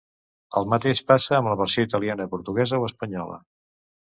El mateix passa amb la versió italiana, portuguesa o espanyola.